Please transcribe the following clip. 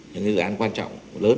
những dự án quan trọng